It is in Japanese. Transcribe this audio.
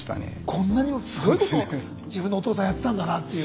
こんなにもすごいこと自分のお父さんやってたんだなっていう。